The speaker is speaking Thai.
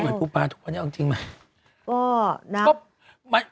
หอยปูปลาถูกไหมก็นัก